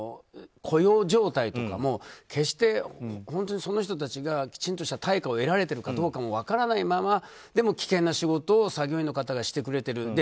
雇用状態とかも決してその人たちがきちんとした対価を得られてるかも分からないままでも危険な仕事を作業員の方がしてくれてる。